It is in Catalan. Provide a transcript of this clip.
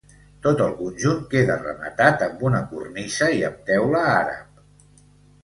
Tot el conjunt queda rematat amb una cornisa i amb teula àrab.